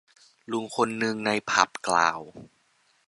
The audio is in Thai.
ลุงคนนึงในผับกล่าว